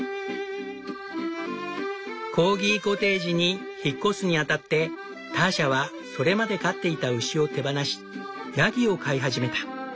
コーギコテージに引っ越すに当たってターシャはそれまで飼っていた牛を手放しヤギを飼い始めた。